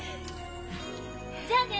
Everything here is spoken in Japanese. じゃあね！